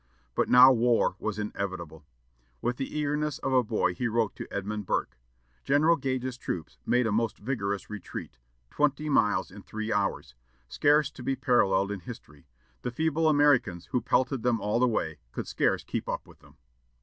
But now war was inevitable. With the eagerness of a boy he wrote to Edmund Burke: "General Gage's troops made a most vigorous retreat, twenty miles in three hours, scarce to be paralleled in history; the feeble Americans, who pelted them all the way, could scarce keep up with them."